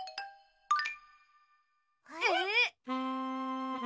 えっ？